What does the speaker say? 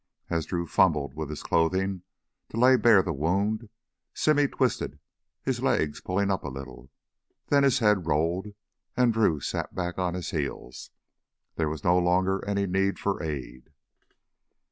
As Drew fumbled with his clothing to lay bare the wound, Simmy twisted, his legs pulling up a little. Then his head rolled, and Drew sat back on his heels. There was no longer any need for aid.